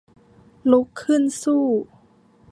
ลุกขึ้นสู้